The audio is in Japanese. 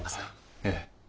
ええ。